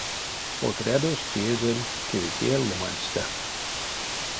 Отрядось теезель кеветее ломаньстэ.